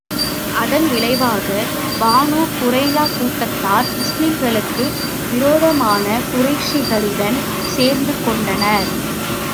அதன் விளைவாக, பனூ குறைலா கூட்டத்தார் முஸ்லிம்களுக்கு விரோதமாக குறைஷிகளுடன் சேர்ந்து கொண்டனர்.